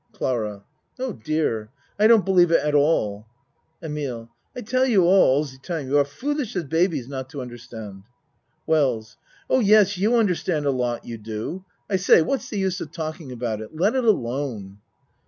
CLARA Oh, dear! I don't believe it at all. EMILE I tell you all all ze time you are fool ish as babies not to understand. WELLS Oh, yes, you understand a lot, you do. I say, what's the use of talking about it? Let it alone.